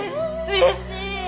うれしい！